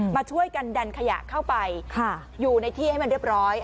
มาช่วยกันดันขยะเข้าไปอยู่ในที่ให้มันเรียบร้อย